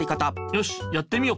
よしやってみよ。